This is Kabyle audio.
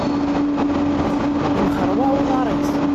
Inxeṛwaɛ uḍaṛ-is.